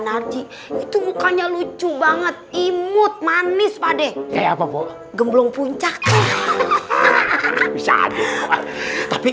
narji itu mukanya lucu banget imut manis padek kayak apa bok gemblong puncak hahaha bisa tapi